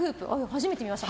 初めて見ました。